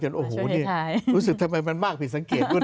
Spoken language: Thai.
รู้สึกทำไมมันมากพิสังเกต